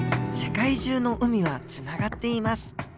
世界中の海はつながっています。